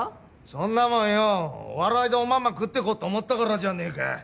そんなもんよお笑いでおまんま食っていこうと思ったからじゃねえか！